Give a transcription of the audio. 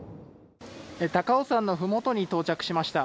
高尾山の麓に到着しました。